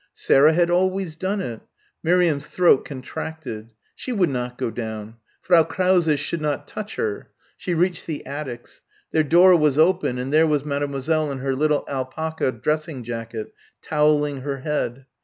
Sarah had always done it. Miriam's throat contracted. She would not go down. Frau Krause should not touch her. She reached the attics. Their door was open and there was Mademoiselle in her little alpaca dressing jacket, towelling her head.